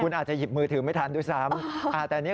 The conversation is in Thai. คุณอาจจะหยิบมือถือไม่ทันด้วยซ้ำอ่าแต่นี่เขาก็ถ่ายไว้